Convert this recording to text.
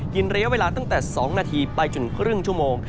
ระยะเวลาตั้งแต่๒นาทีไปจนครึ่งชั่วโมง